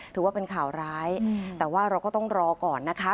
ถือว่าเป็นข่าวร้ายแต่ว่าเราก็ต้องรอก่อนนะคะ